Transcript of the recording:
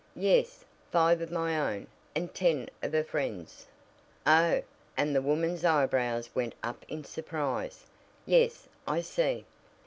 "Yes. Five of my own, and ten of a friend's." "Oh!" and the woman's eyebrows went up in surprise. "Yes, I see.